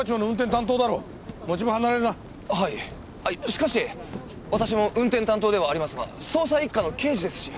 しかし私も運転担当ではありますが捜査一課の刑事ですし。